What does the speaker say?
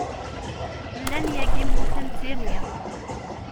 Llan yagi mmuten d tirni.